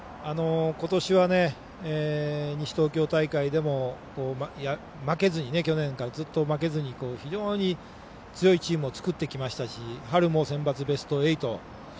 ことしは西東京大会でも去年からずっと負けずに非常に強いチームを作ってきましたし春もセンバツベスト８。